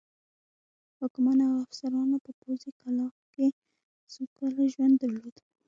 حاکمانو او افسرانو په پوځي کلاوو کې سوکاله ژوند درلوده.